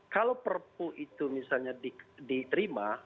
kalau perpu itu misalnya diterima